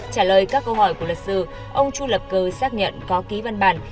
trả lời các câu hỏi của luật sư ông chu lập cơ xác nhận có ký văn bản